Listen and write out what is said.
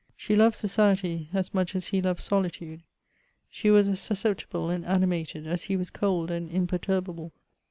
She loved society as much as he loved solitude. She was as susceptible and animated as he was cold and imperturbable.